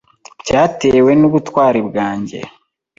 byatewe n'ubutwari bwanjye.